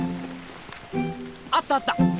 あったあった！